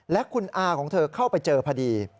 และคุณอาของเธอเข้าไปเจอพอดี